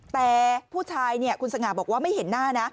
แต่ผู้ชายเนี่ยคุณสง่าบอกว่าไม่เห็นหน้านะ